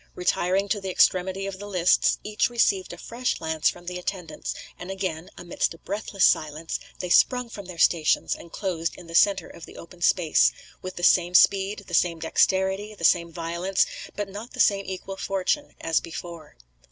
Retiring to the extremity of the lists, each received a fresh lance from the attendants; and again, amidst a breathless silence, they sprung from their stations, and closed in the centre of the open space, with the same speed, the same dexterity, the same violence, but not the same equal fortune, as before.